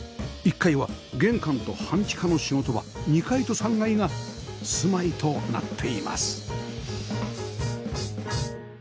１階は玄関と半地下の仕事場２階と３階が住まいとなっています